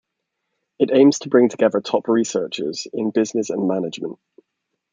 It aims to bring together top researchers in business and management.